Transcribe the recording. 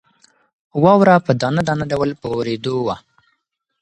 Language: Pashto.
واوره په دانه دانه ډول په وورېدو وه.